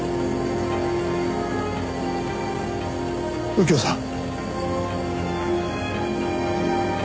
右京さん。